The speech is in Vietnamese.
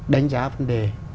đánh giá vấn đề